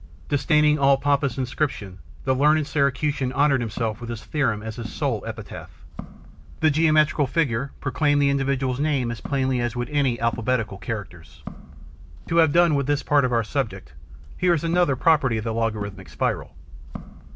Disdaining all pompous inscription, the learned Syracusan honoured himself with his theorem as his sole epitaph. The geometrical figure proclaimed the individual's name as plainly as would any alphabetical characters. To have done with this part of our subject, here is another property of the logarithmic spiral.